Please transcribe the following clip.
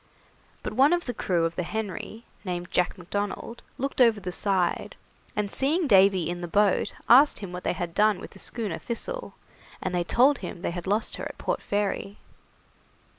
But one of the crew of the 'Henry', named Jack Macdonald, looked over the side, and seeing Davy in the boat, asked him what they had done with the schooner 'Thistle', and they told him they had lost her at Port Fairy.